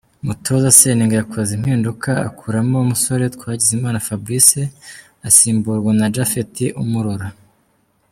Umutoza Seninga yakoze impinduka akuramo umusore Twagizimana Fabrice asimburwa na Japhet Umurora.